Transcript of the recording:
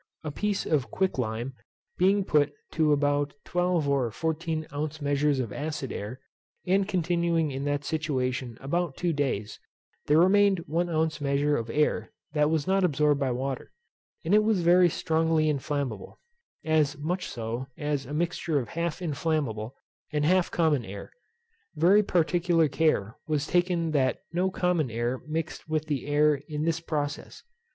A piece of quick lime being put to about twelve or fourteen ounce measures of acid air, and continuing in that situation about two days, there remained one ounce measure of air that was not absorbed by water, and it was very strongly inflammable, as much so as a mixture of half inflammable and half common air. Very particular care was taken that no common air mixed with the acid air in this process.